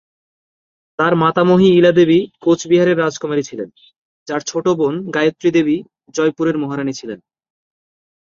তার মাতামহী ইলা দেবী কোচ বিহারের রাজকুমারী ছিলেন, যার ছোট বোন গায়ত্রী দেবী জয়পুরের মহারানী ছিলেন।